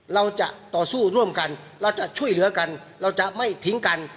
เราจะต่อสู้ร่วมกันเราจะช่วยเหลือกันเราจะไม่ทิ้งกัน